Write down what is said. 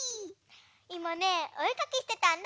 いまねおえかきしてたんだ。